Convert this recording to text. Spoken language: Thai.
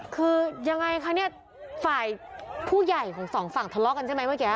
คือยังไงคะเนี่ยฝ่ายผู้ใหญ่ของสองฝั่งทะเลาะกันใช่ไหมเมื่อกี้